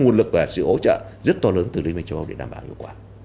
nguồn lực và sự hỗ trợ rất to lớn từ liên minh châu âu để đảm bảo hiệu quả